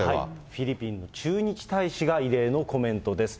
フィリピンの駐日大使が異例のコメントです。